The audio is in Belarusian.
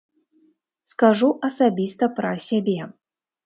Скажу асабіста пра сябе.